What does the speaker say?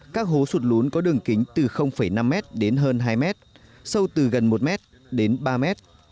các hố sụt lún có đường kính từ năm m đến hơn hai mét sâu từ gần một mét đến ba mét